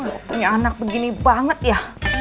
gue punya anak begini banget ya